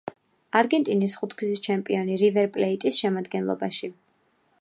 არგენტინის ხუთგზის ჩემპიონი „რივერ პლეიტის“ შემადგენლობაში.